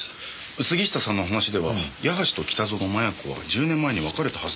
杉下さんの話では矢橋と北薗摩耶子は１０年前に別れたはずですよね。